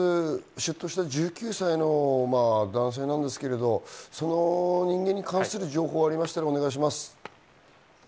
出頭した１９歳の男性ですが、その人間に関する情報がありましたら、お願いします。